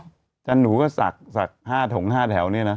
อาจารย์หนูก็ศักดิ์๕ถง๕แถวเนี่ยนะ